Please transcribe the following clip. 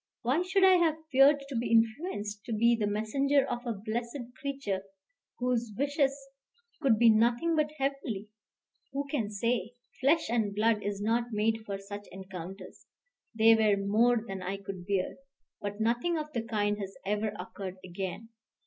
Why should I have feared to be influenced, to be the messenger of a blessed creature, whose wishes could be nothing but heavenly? Who can say? Flesh and blood is not made for such encounters: they were more than I could bear. But nothing of the kind has ever occurred again.